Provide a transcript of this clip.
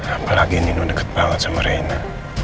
apalagi ini lu deket banget sama reina